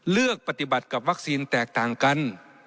เลือกปฏิบัติกับวัคซีนแตกต่างกัน